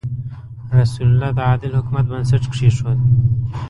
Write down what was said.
رسول الله د عادل حکومت بنسټ کېښود.